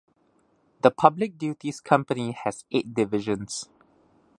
The Public Duties Company has eight divisions.